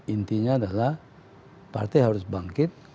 intinya adalah partai harus bangkit